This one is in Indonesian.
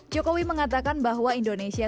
jokowi mengatakan bahwa indonesia